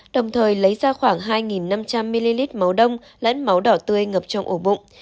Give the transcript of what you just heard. đồng thời lấy ra khoảng hai năm trăm linh ml máu đông lẫn máu đỏ tươi ngập trong ổ bụng